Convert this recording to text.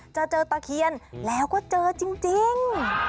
จะเจอตะเคียนแล้วก็เจอจริง